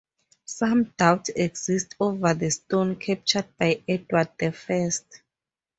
Some doubt exists over the stone captured by Edward the First.